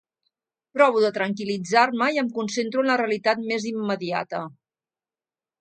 Provo de tranquil·litzar-me i em concentro en la realitat més immediata.